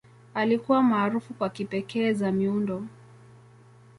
Alikuwa maarufu kwa kipekee za miundo.